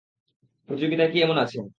প্রতিযোগিতায় কী এমন আছে?